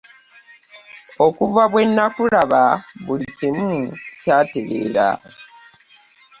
Okuva bwe nakulaba buli kimu kyatereera.